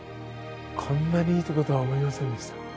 こんなにいいとことは思いませんでした。